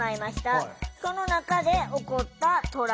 その中で起こったトラブルです。